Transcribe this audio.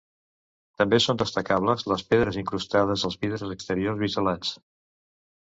També són destacables les pedres incrustades als vidres exteriors bisellats.